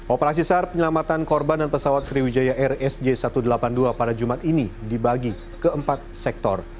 operasi sar penyelamatan korban dan pesawat sriwijaya rsj satu ratus delapan puluh dua pada jumat ini dibagi ke empat sektor